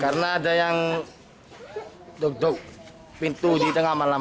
karena ada yang dok dok pintu di tengah malam